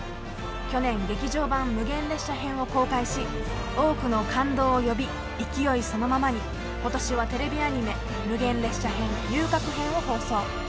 去年、劇場版「無限列車編」を公開し多くの感動を呼び勢いそのままに今年はテレビアニメ「無限列車編」「遊郭編」を放送。